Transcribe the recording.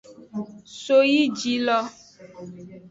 Soyijilo.